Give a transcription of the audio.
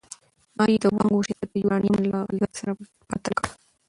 ماري د وړانګو شدت د یورانیم له غلظت سره پرتله کړ.